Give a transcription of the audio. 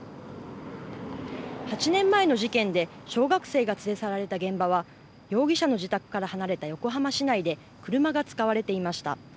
８年前の事件で小学生が連れ去られた現場は容疑者の自宅から離れた横浜市内で車が使われていました。